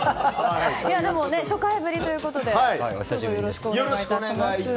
でも、初回ぶりということでよろしくお願いいたします。